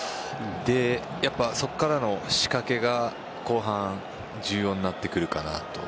そこからの仕掛けが後半重要になってくるかなと。